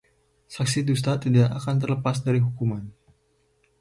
Saksi dusta tidak akan terlepas dari hukuman